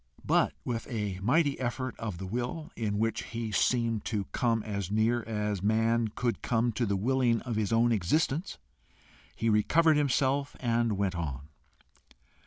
But with a mighty effort of the will, in which he seemed to come as near as man could come to the willing of his own existence, he recovered himself and went on.